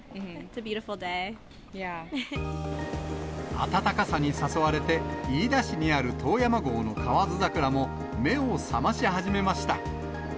暖かさに誘われて、飯田市にある遠山郷の河津桜も目を覚まし始めました。